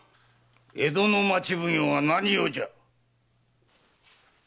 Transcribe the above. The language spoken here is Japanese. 江戸の町奉行が何用じゃ？